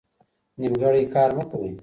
نیمګړی کار مه کوئ.